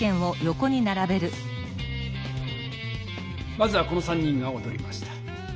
まずはこの３人がおどりました。